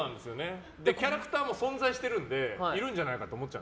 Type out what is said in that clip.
キャラクターも存在してるのでいるんじゃないかと思っちゃう。